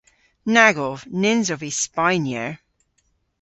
Nag ov. Nyns ov vy Spaynyer.